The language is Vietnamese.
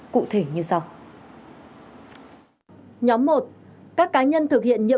cụ thể như sau